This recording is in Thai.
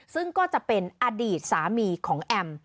ซึ่งก็จะเป็นอดีตสามีของแอม